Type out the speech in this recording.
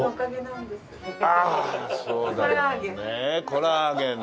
コラーゲン。